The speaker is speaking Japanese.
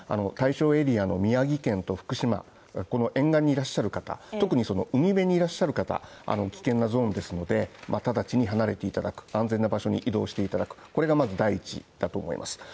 対象エリアの宮城県と福島の沿岸にいらっしゃる方特にその海辺にいらっしゃる方危険なゾーンですので直ちに離れていただく安全な場所に移動していただくこれがまず第１だと思います。